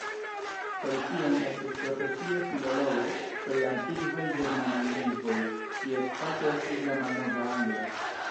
Tolkien estis profesia filologo pri antikvaj ĝermanaj lingvoj, kies fako estis la malnova angla.